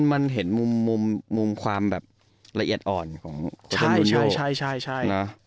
มันเห็นมุมความละเอียดอ่อนของโคตรมูนโยบ